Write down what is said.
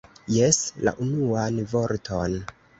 Jes, la unuan vorton!